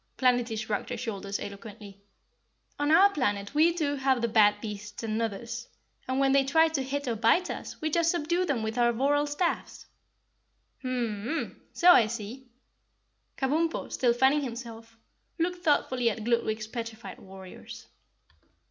Planetty shrugged her shoulders eloquently. "On our planet we too have the bad beasts and Nuthers, and when they try to hit or bite us, we just subdue them with our voral staffs." "Mmmn mn! So I see." Kabumpo, still fanning himself, looked thoughtfully at Gludwig's petrified warriors.